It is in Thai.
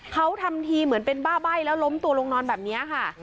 เขาทำทีเหมือนเป็นบ้าใบ้แล้วล้มตัวลงนอนแบบนี้ค่ะ